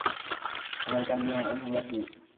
American বিমান হামলা শুরু।